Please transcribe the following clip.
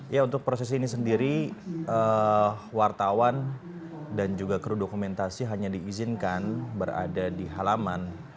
ya untuk proses ini sendiri wartawan dan juga kru dokumentasi hanya diizinkan berada di halaman